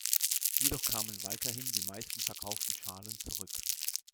Jedoch kamen weiterhin die meisten verkauften Schalen zurück.